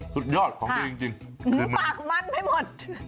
สุดยอดของดีจริงปากมันไปหมด